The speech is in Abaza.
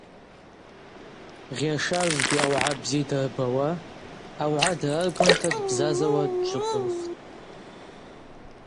Гъьашажвгьи ауагӏа бзи дырбауа, ауагӏа драргванта дбзазауа дджвыквылхтӏ.